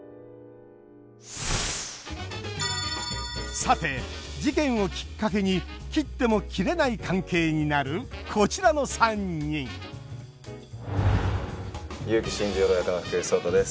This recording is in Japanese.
さて事件をきっかけに切っても切れない関係になるこちらの３人結城新十郎役の福士蒼汰です。